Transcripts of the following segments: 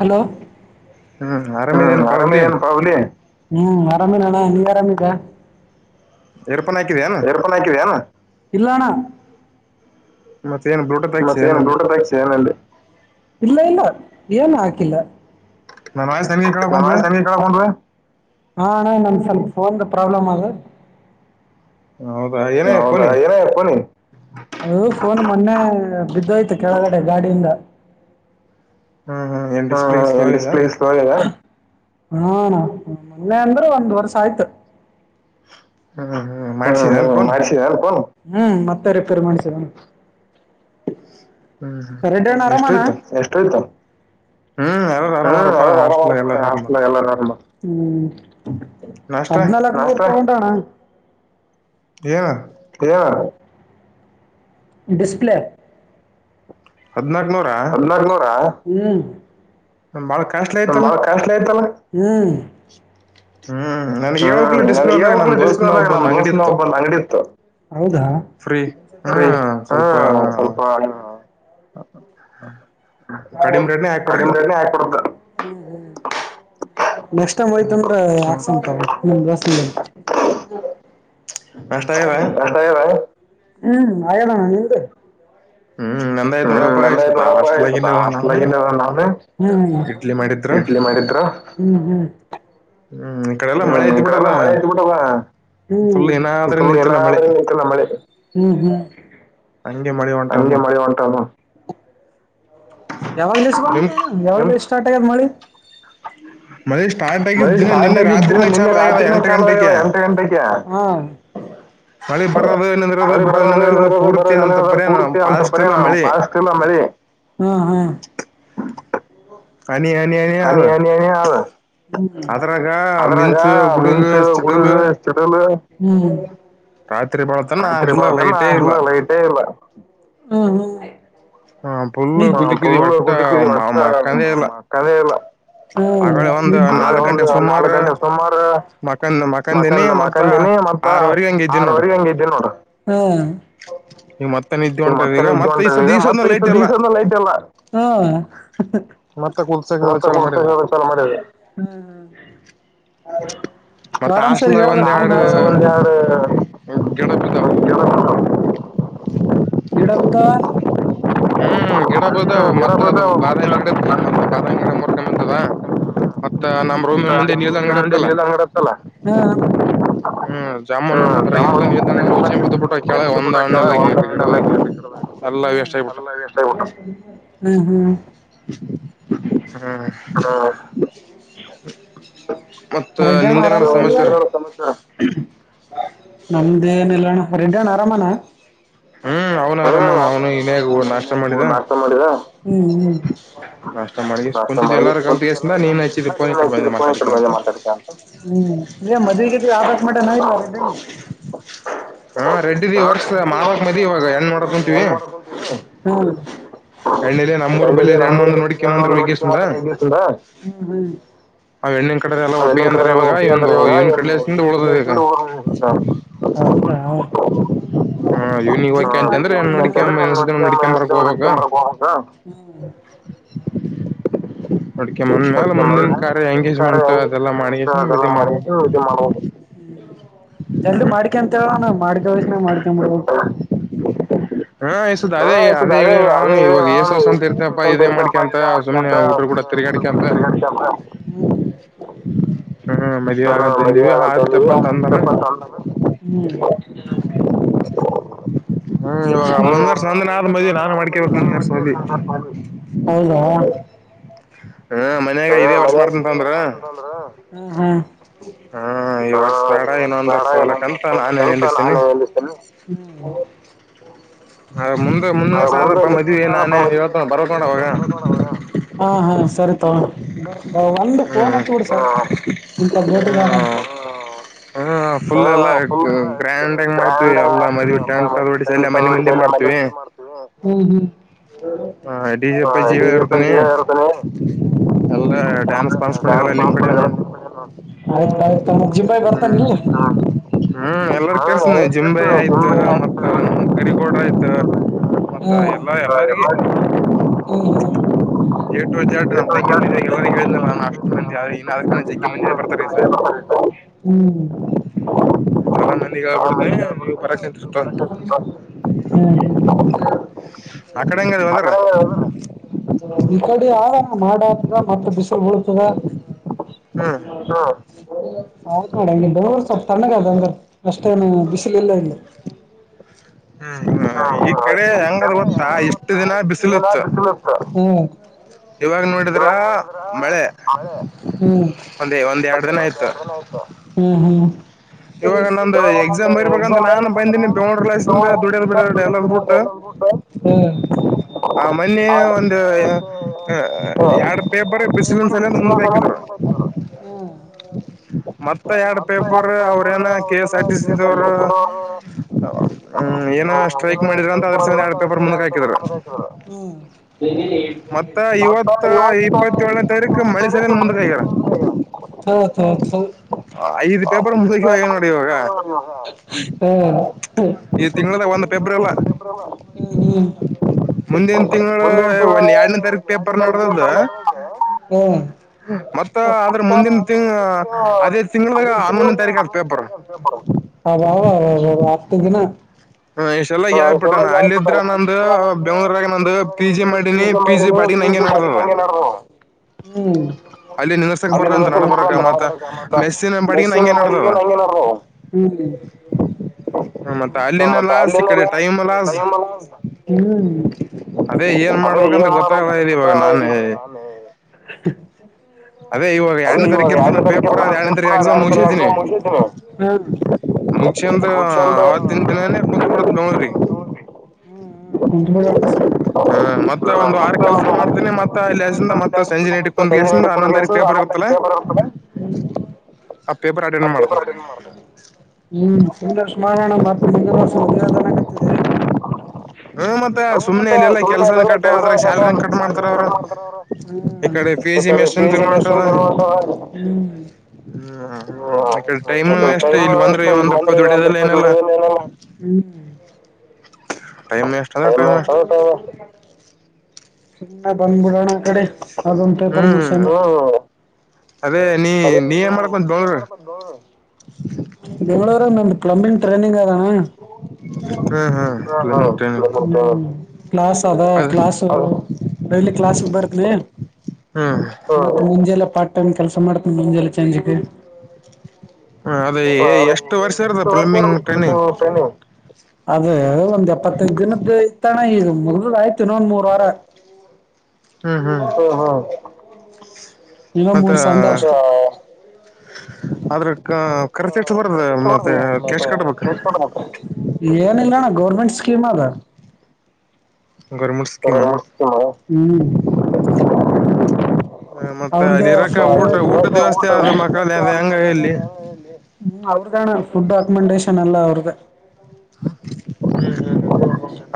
Hello ಹ್ಮ ಆರಾಮ ಇದೇನ ಪಾವಲಿ ಹ್ಮ್ ಅರಾಮಿನಣ್ಣ ನೀಗ ಆರಾಮಿಕ ಎ ಏರ್ಪನ್ ಹಾಕಿವ ಅನಾ ಇಲ್ಲಣ ನ ಚನು ಬ್ಲೂಟ ಪ್ಯಾಕ್ನಲ್ಲಿ ಇಲ್ಲ ಇಲ್ಲ ಏನು ಹಾಕಿಲ್ಲ. ನ ಸಾಮ ಕಡ ಕೊಂಡ ರೆ [unintelligible] ಹಾ ನಣ ನಮ ಸ್ವಲ್ಪ ಫೋನ್ ಪ್ರಾಬ್ಲಮ್ ಅದಾ. ಹೌದಾ, ಏನ್ ಆಗಿದೆ ಫೋನ್ ಗಿ- ಬಿದ್ದೋಯ್ತು ಕೆಳಗಡೆ ಗಾಡಿಯಿಂದ. ಹಾ, ಹಾ ಏನ್ ಡಿಸ್ಪ್ಲೇ ಗಿಸ್ಲೋಗದ. ಹಾ, ಮೊನ್ನೆ ಅಂದ್ರೆ ಒಂದ್ ವರ್ಷ ಆಯ್ತು. ಹ್ಮ, ಹ್ಮ್ ಮಾಡಸಿದೇ ಏನ್ ಫೋನ್, - ಹ್ಮ್, ಮತ್ತೆ ರಿಪೇರ್ ಮಾಡಿಸದ. ಣ ಆರಾಮಾನ ಎತ ಹ [unintelligible] ಹ್ಮ್, ಹದಿನಲ್ಕ ತೊಗಂಡಣ್ಣ [inaudible] [unintelligible] ಹ [inaudible] ಡಿಸಪ್ಲೇ, ಹದಿನಾಲ್ಕಕನೂರಾ.,, ಹೂ,,,, ಬಹಳ ಕಾಸ್ಟ್ಲಿ ಆಯ್ತ್ ಅಲಾ, ಹ್ಮ್,,, ಹ್ಮ್ ನ ಯಾವಾಗಕ್ಲಿಸ್ಕೋದಾಗ ನ ದೋಸ್ ಒಬ್ಬ ಅಂಗಡಿತ್ತು ಹದ ಹವಪ ಹ [inaudible] ಕಡಿಮೆ ರೆಟಿಗೆಹಾಕಿಕೊಡುತ್ತೀದ್ದ. ಹ್ಮ್, ಹ್ಮ್,,, ನೆಕ್ಸ್ಟ್ ಟೈಮ್ ಐ್ತ [unintelligible] ಅಂದ್ರೆ ಆಕ್ಸಂಸ್ ಹೌ [inaudible] ನಾಸ್ಟ್ ಆಗೇದ. ಹ್ಮ್, ಅಗೆಧಣ್ಣ ನಿಮ್ದ. - ಹ್ಮ್ ನಂದಯಯ್ತ ನೋಡಪ್ಪಯ್ತ ಹಸ್ಲ್ಟಾಲಗ [unintelligible] ದ ನಾನು ಇಡ್ಲಿ ಮಾಡಿದ್ರ ಹ್ಮ್, [unintelligible] ಈ ಕಡೆಲ್ಲ ಮಳೆ ಆಯತು ಬಿಟಲ್ಲ ಏನಾದ್ರಲ್ಲ ಮೆ ಹಂಗೆ ಮಳೆ ಹೊಂಟ ಯಾವಾಗಾಲೆಸಿಂದ. -ಸ್ಟಾರ್ಟ್ ಆಗಾದ ಮಳಿ, ಮಳಿ ಸ್ಟಾರ್ಟ್ ಆಗಿದ್ದು ನಿನ್ನೆ ರಾತ್ರಿನ ಚಾಲವಾಗದ ಎಂಟ ಗಂಟಕೆ. ಮಳಿ ಬರದು ನಿಂದ್ರೋದು ಬರದು ನಿಂದ್ರದ ಪೂರ್ತಿ ಅಂತ ಬರಿ ಎ ನ ಪಾಸ್ಟ್ಇಲ್ಲಮಳಿ. ಅಾನ ಅನ ಅ ಹಲ್ಲ [unintelligible] ಅದ್ರಾಗ ಮೆನ್ಸು ಹುಡುಗು ಚಿಡಲು [unintelligible] ನತ್ರಿ ಪಳ ತನ ಆಲ್ಲ ಲೇಟೇ ಇಲ್ಲ [unintelligible] ುುದ ಮಕ್ಕ ಇಲ್ಲ ಒ ನಾಲ್ಕ ಗಂಟೆ ಸುಮಾರ ಮಕ ಮಕಂದಿನಿ ಮತ್ತ ಆರವರೆಗ ಹಂಗ ಇದ್ದ ನೋಡ್ರ ಮತ್ತನ್ ಇದಂತ ಈಗ ಮ [unintelligible] ದಿವಸ ಲೈಟ್ ಎಲ್ಲ [unintelligible] ಇತ್ತ ಕಳ ತಲಮರ. ಎಡ ಉದ. ಹ್ಮ್ ಗಿಡ ಬ ಮತ್ತ ಬ ಬದ ಮತ್ತ ನಮ್ಮ್ ರೂಮ ಮುಂದೆ ನಿಲ್ದ ಗಡ ಇತ್ತಲ್ಲ ಹ್ಮ ಜಾಮೂನ್ ಎಲ್ಲ ನಿಲ್ದ ಹ ಬಿಟ್ಟ ಕೆಳ ಒಂದ್ ಹಣ್ಣೆಲ್ಲ. ಎಲ್ಲ ಎಷ್ಟಯ ಪಟ್ಟ. ಹ್ಮ್ ಹ್ಮ್. ಹಾ. ಮತ್ತ ನಿಂದೆನಡ ಸಮಾಚಾರ. ನಮ್ದೇನಲ್ಲಣ. ಂಡ ಆರಾಮಾನ ಆರಾಮ ನಾಷ್ಟ ಮಾಡಿದ. ನಷ್ಟ ಮಾಡ ಮಾತಾಡ್. ಗ ಆಾಸ ಮಾಡ ನ ಆ. ಹಾ ರೆಡ್ ವರ್ಷ ಮಾರವಾಗ ಮದ ಇ ಎ ಮಾರ ಹೊಂತೀವಿ. ಕಣ್ಣಿಲಿ ನಮ್ಮೂರ್ ಬಿ ಇದೆಣ್ಣ ಒಂದು ನೋಡಿಿ. ಒ ನುಡಿಕೆ ಮಾಡಗ ಕಡೆ ಒಟ್ಟ ಅ ಇವಾಗ ಕ. ಹ. ಹ ನ ನಡ ಬರವ. ಹ್ಮ್ಮ್. ಹ ಮಾಡ. ಹ ಅದೇ ಅದೇ ಹೇಳ ನಾವಂತ ಇರ್ತೇ. ಮ ಮಾಡಂತ ಕೂಡ ತಿರ್ಗಂತ ಮ. ಹ್ಮ್. ಹ್ಮ್ ಇವಾಗ ಮುಂದ ವರ್ಸ ನಂದ ನಾ ಮದಿ ನಾನು ಮಾಡ್ಕೇಬೇಕು ಮುಂದರ್ಸ ಮದಿ. ಹ್ಮ. ಹಾ ಮನ್ಯಾಗ ಇದೇ ವರ್ಷ ಮಾಡ್ತಂತ ಅಂದ್ರ. ಹಾ ಇ ಬಡ ಏನೊಂದ ಕನ್ಸಲ್ಲ ಆಾನ ಎಲ್ಲಿದ್ದೇನೆ. ಹ. ಮ ನಾನೇ ಇ ಬರತ್ ನೋಡ ಸರಿತ ಒಂದು ಫೋನ್ ಹಚ್ಚಿ ಬಿಿಡ್ಸ ಇಂತ ಗೇಟಿ. ಹ ಫುಲ್ ಎಲ್ಲ ಗ್ರ್ಯಾಂಡ ಮಾಡ್ತೀವಿ ಅಲ್ಲಾ ಮದ್ಟಂಟ್ ಅದ ಹೊಡ ಸ ಮನೆ ಮುಂದೆ ಮಾಡ್ತೀವಿ. ಹ್ಮ್ ಹ್ಮ್. ಹ ಡಿ ಜಿ ಅಪ್ಪ ಜಿ ಇರ್ತನಿ ಎಲ್ಲ ಡ್ಯಾನ್ಸ್ ಬಾಣಸ್ಕೊಂಡಲ್ಲ ನಿಮ್ ಕಡೆ ನೋಡ್ ಹ್ಮ್ ಹ್ಮ್ ಎಲ್ಲಾರ ಕರ್ಸನಿ ಜಿಂಬೆ ಆಯ್ತು ಮತ್ ಕರಿಗೋಡ ಆಯ್ತು. ಹ್ಮ ಎಲ್ಲ. ಎು ನಮ ತಂಗಿ ಮಂದ ಎಲ್ಲ ಹೇಳ ಅಷ್ಟು ಮಂದಿ ಅದಕ್ಕ ಜಗ್ಗಿ ಮಂದಿ ಬರ್ತಾರೆಸ. ಚಲಾ ಮಂದಿಗ್ ಆಗ್ಬಿಡತನನೆ ನೀವು ಪರಕ್ಷ ನಿಂತರ್ತ. ಡೆ ಯಾರ. ಮಾಡ ಮತ್ತೆ ಬ. ಳ ಪಣದ ಅಂದರ್ ಅಷ್ಟೇನು ಬಿಸಿಲೆಲ್ಲ ಇ ಹ್ಮ್ ಹಾ ಈ ಕಡೆ. ಹೆಂಗದ ಗೊತ್ತಾ ಇಷ್ಟು ದಿನ ಬಿಸಿಲತ್ತು. ಇವಾಗ ನೋಡಿದ್ರ ಮಳೆ ಒಂದ ಒಂದ್ ಎರಡು ದಿನ ಆಯ್ತು. ಹ್ಮ. ಇವಾಗ ನಂದು ಎಕ್ಸಾಮ್ ಇರ್ಬೇಕಂತ ನಾನನ್ ಬಂದೀನಿ ಬೆಂಗ್ ಲೈಸ್--ದ ದುಡಿಯಲ್ ಬಿಡ ಎಲ್ಲ ಬಿಟ್ಟು. ಆ ಮನ್ನೆ ಒಂದು ಎರಡ್ ಪೇಪರ್ ಬಿಸಿನ್ ಮುಂದ ಹಾಕಿದ್ರು ಮತ್ತ ಎರಡ್ ಪೇಪರ್ ಅವರು. ಕೆ ಎಸ್ ಆರ್ ಟವರು ಏನು ಸ್ಟ್ರೈಕ್ ಮಾಡಿದ್ರ ಅಂತ. ವರ್ಷ ಮಂದ ಹಾಕಿದವ. ಈವ ಏ ನೋಡಿ ಇವಾಗ ಈ ತಿಂಗಳದ ಒಂದ್ ಪೆಬ್ರಲ್ ಹ್ಮ್ ಹ್ಮ್. ಮುಂದಿನ ತಿಂಗಳ ಒಂದ ಎರಡನೇ ತಾರೀಕೇಪರ್ ನ ಮತ್ತ ಅ್ರ ಮುಂದಿನ ತಿಂ ಹ ತಿಂ ಹೇ ತಾರೀಕ ದಿನ. ಹಾ ಎಷ್ಟೆಲ್ಲ ಯಾ. [unintelligible] ಅಲ್ಲಿ ಮೆಸ್ಸಿನ ಬ ಅಲ್ಲಿ ಅದೇ ಏನ್ ಮಾಡಬೇಕಂತ ಗೊತ್ತಾಗವಲ್ಧೀಗ ಅದೇ ಇವಾಗ ಎರಡನೇ ತಾರೀಕ ಇರ್ತಲ್ಲ ಪೇಪರ್ ಅದ್ ಎರಡನೇ ತಾರೀಕು ಎಕ್ಸಾಮ್ ಮುಗಿಸ್ಕಿಂತಿನಿ ಮುಗುಸ್ಕೆಂದ್ ಅವವತ್ತಿನ ದಿನಾನೆ ಬೆಂಗಳೂರಿಗೆ ಬರ್ತೀನಿ ನ ಮತ್ತೆ ಒ ಕೆಸ ಮೆ ಸಂಜೆ ನೀ ರ್ ಮಾಡಣತ್ತರ್ [unintelligible] ಹ್ಮ ಮತ್ತೆ ಸುಮ್ನೆಲ್ಲಿ ಎಲ್ಲ ಕೆಲ್ಸನ ಕಟ್ಟೆ ಅದ್ರಾಗ ಸ್ಯಲ್ರಿ ಕಟ್ ಮಾಡ್ತಾರ ಅವರು ಈ ಕಡೆ ಪಿ ಎ ಜ [unintelligible] ಹ ಮತ್ತೆ ಟೈಮು ವೇಸ್ಟು ಇಲ್ಲಿ ಬಂದ್ರು ಒಂದು ರೂಪಾಯಿ ದುಡ್ಡಿಲ್ಲ ಏನಿಲ್ಲ ಟೈಮ್ ವೇಸ್ಟ್ ಅಲ್ಲ್ರ ಟೈಮ್ ವೇಸ್ಟ್ ಸುಮ್ನೆ ಬಂದ್ಬಿಡಣ ಈ ಕಡೆ ಅದೊಪ ಪ್ಲಂಗ್ [unintelligible] ಟ್ರೈನಿಂಗ್ ಆದಣ್ಣ ಕ್ಲಾಸ್ ಆದ ಕ್ಲಾಸ್ ಡೈಲಿ ಕ್ಲಾಸಿಗೆ ಬರ್ತೀನಿ ಮುಂಜೆಲೀ ಪಠ ಕೆಲಸ ಮಾಡ್ತೀನಿ ಮುಂಜೆಲ್ಲ ಚಂಜಿಲೀ ಹ ಅದೇ ಎಷ್ಟು ವರ್ಷ ಇರದ ಪ್ಲಂಬಿಂಗ್ ಟ್ರೈನಿಂಗ್ ಅದೇ ಅದು ಎಪ್ಪತ್ತೈದು ದಿನದ ಇದು ಮುಗಿದೆದ್ದಾಯಿತು ಇನ್ನೊಂದು ಮೂರು ವಾರ ಹ್ಮ ಹಾ ಈಗ ಮೂರ್ ಸಂಡೆ ಅಷ್ಟೇ ಏನಿಲ್ಲಣ ಗೌರ್ಮೆಂಟ್ ಸ್ಕೀಮ ಆದಾ [unintelligible] [unintelligible] ಇಲ್ಲ ಅಣ್ಣ ಫುಡ್ ಆಫ್ ಮಂಡೇಷನ್ ಇಲ್ಲ ಅವ್ರ್ದೆ ಲೋ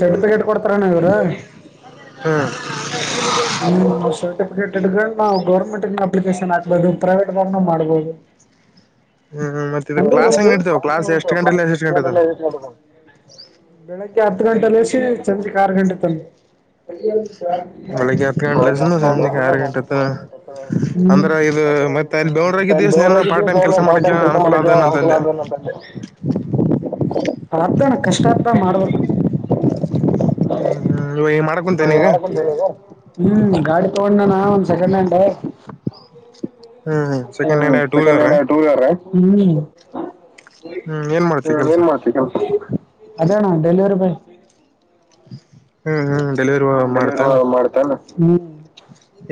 ಸರ್ಟಿಫೇಟ್ ಕೊಡ್ತಾರ ಸರ್ಟ್ಕೊಂಡ ನವು ಗೌರ್ಮೆಂಟ್ ಅಪ್ಲಿಕೇಶನ್ ಆಗ್ಬಹದು ಪ್ರೈವೇಟ್ ಬ ಮಾಡಬಹದು ಹ ಹ್ಮ್ ಮತ್ ಇದು ಕ್ಲಾಸ್ ಹೆಂಗ್ ನಡ್ತಾವ ಕ್ಲಾಸ್ ಎಷ್ಟ್ ಗಂಟೆಇಂದ್ ಎಷ್ಟ್ ಗಂಟೆದನ ಹತ್ತಗಂಟೆಗ್ ನಿಲ್ಸಿ ಸಂಜಕ್ಕೆ ಆರು ಗಂಟೆ ತನಕ ಬೆಳಿಗ್ಗೆ ಹತ್ತು ಗಂಟೆಸ ಸಂಜೆಗೆ ಆರ್ ಗಂಟೆತ್ತನ ಅಂದ್ರ ಇದು ಮತ್ತೆ ಅಲ್ಲಿ [unintelligible] ಅನಾ ನೋಡ್ದಗ್ ಅತ್ತಾನ ಕಷ್ಟ್ ಎಷ್ಟಾದ್ದ ಮಾಡ್ಬೇಕು ಹ್ಮ ಹ್ಮ್ ಇ ಮಾಡಕೊಂತೇ ನೀಗ ಹ್ಮ್ ಗಾಡಿ ತಗೊಂಡನಾನ ಒಂದ್ ಸೆಕೆಂಡ್ ಹ್ಯಾಂಡೆ ಹ್ಮ್ ಸೆಕೆಂಡ್ ಹ್ಯಾಂಡ ಟೂ ವೀಲರ್ ಹ್ಮ್ ಹ್ಮ ಏನ್ ಮಾಡ್ತಿ ಕೆಲ್ಸ ಡೆಲಿವರಿ ಬಾಯ್ ಹ್ಮ ಹ್ಮ್ ಡೆಲಿವರಿ ಮಾಡ್ತಾನ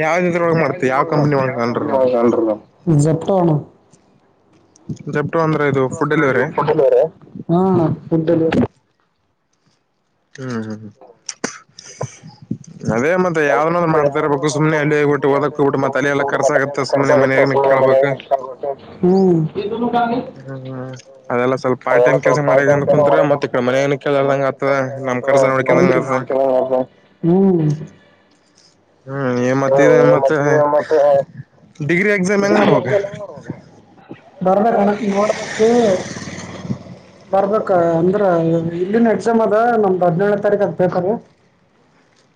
ಯಾವ ಇದ್ರೊಳಗ ಮಾಡ್ತಿ ಯಾವ್ ಕಂಪನಿ ಒಳಗ ನೀ ಇರೋದ್ ಜೆಫ್ಟೊ ಅಣ ಅ ಅಣ್ಣ ಫುಡ್ ಡೆಲ್ವರಿ ಆ ಫುಡ್ ಡೆಲಿವರಿ ಹ್ಮ್ ಹ್ಮ ಹ ಅದೇ ಮತ್ತೆ ಯಾವನೊಬ್ಬ ಮಾಡ್ತಾ ಇರ್ಬೇಕು ಸುಮ್ನೆ ಅಲ್ಲಿ ಹೋಗಗ್ಬಿಟ್ಟು ಓದಕ್ ಹೋಗ್ಬಿಟ್ಟ ಮತ್ತ ಅಲೆ ಎಲ್ಲ ಕರ್ಸ ಆಗತ್ತೆ ಸುಮ್ನೆ ಮನ್ಯಗ್ನ ಕೇಳ್ಬೇಕು ಹ್ಮ ಹ್ಮ ಹ್ಮ ಹ್ಮ್ ಹ್ಮ್ ಏನ್ ಮತ್ತೆನ್ ಮತ್ತ ಡಿಗ್ರಿ ಬರ್ಬೇಕ ನ ನೋಡಬೇಕು ಬರ್ಬೇಕ ಅಂದ್ರ ಇಲ್ಲಿನ್ ಎಕ್ಸಾಮ್ ಅದ ನಮ್ದ್ ಹದ್ನೇಳನೇ ತಾರೀಕದ ಪೇಪರ್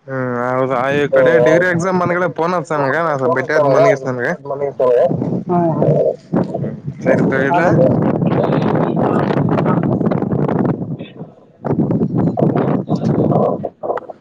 ಹ್ಮ್ ಅವ್ ಹ್ಮ್ ಹಾ ಸರಿ